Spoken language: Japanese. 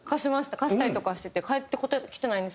貸したりとかしてて返ってきてないんです。